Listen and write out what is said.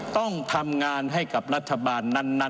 ต้องทำงานให้กับรัฐบาลนั้น